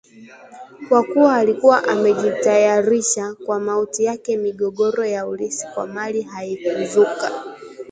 Kwa kuwa alikuwa amejitayarisha kwa mauti yake migogoro ya urithi wa mali haikuzuka